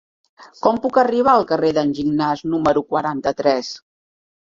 Com puc arribar al carrer d'en Gignàs número quaranta-tres?